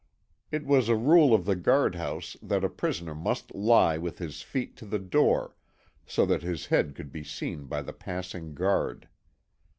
It was a rule of the guardhouse that a prisoner must lie with his feet to the door, so that his head could be seen by the passing guard.